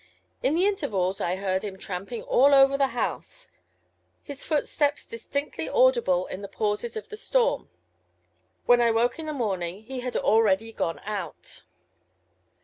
In the intervals I heard him tramping all over the house, his footsteps distinctly audible in the pauses of the storm. When I woke in the morning he had already gone out.